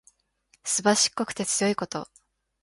すばしこくて強いこと。